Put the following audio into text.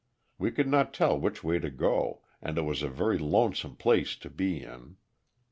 We could not tell which way to go and it was a very lonesome place to be in.